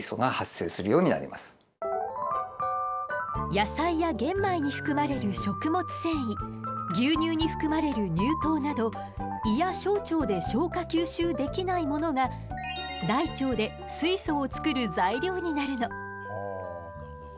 野菜や玄米に含まれる「食物繊維」牛乳に含まれる「乳糖」など胃や小腸で消化吸収できないものが大腸で水素を作る材料になるの。